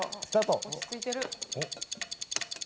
落ち着いてる。